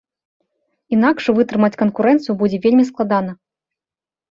Інакш вытрымаць канкурэнцыю будзе вельмі складана.